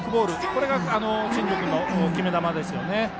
これが、新庄君の決め球ですね。